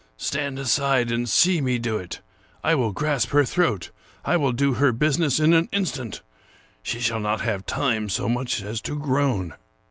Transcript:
stand aside, and see me do it. I will grasp her throat; I will do her business in an instant; she shall not have time so much as to groan."